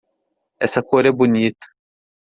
Essa cor é bonita.